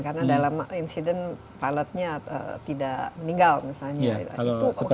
karena dalam incident pilotnya tidak meninggal misalnya